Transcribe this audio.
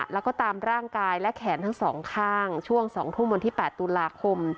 แล้วก็ตามร่างกายและแขนทั้งสองข้างช่วง๒ทุ่มวันที่๘ตุลาคม